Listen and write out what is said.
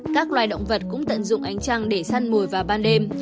các loài động vật cũng tận dụng ánh trăng để săn mồi vào ban đêm